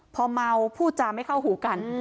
พอเมาพูดจาไม่เข้าหูกัน